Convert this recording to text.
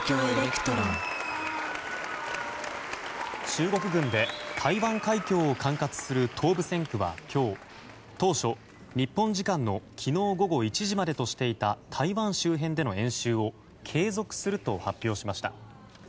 中国軍で台湾海峡を管轄する東部戦区は今日当初、日本時間の昨日午後１時までとしていた台湾周辺での演習を継続すると発表しました。